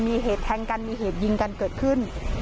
มีเหตุแทงกันมีเหตุยิงกันเกิดขึ้น